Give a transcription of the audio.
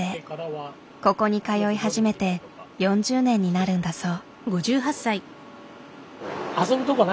ここに通い始めて４０年になるんだそう。